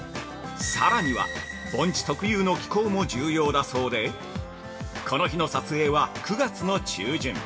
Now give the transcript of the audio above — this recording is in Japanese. ◆さらには、盆地特有の気候も重要だそうでこの日の撮影は９月の中旬。